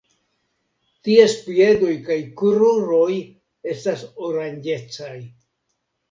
Ties piedoj kaj kruroj estas oranĝecaj.